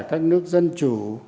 các nước dân chủ